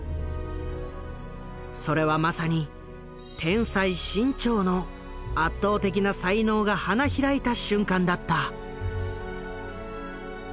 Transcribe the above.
それはまさに天才志ん朝の圧倒的な才能が花開いた瞬間だった。